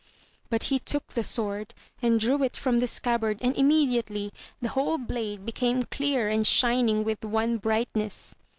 But he took the sword, and drew it from the scabbard, and immediately the whole blade became clear and shining with one brightness.